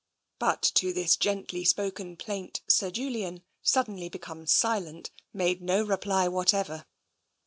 But to this gently spoken plaint Sir Julian, suddenly become silent, made no reply whatever.